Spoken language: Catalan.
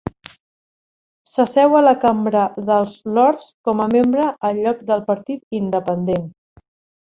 S'asseu a la Cambra dels Lords com a membre al lloc del partit independent.